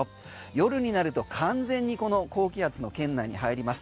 夜になると完全にこの高気圧の圏内に入ります。